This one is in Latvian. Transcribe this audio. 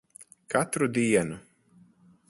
Katru dienu.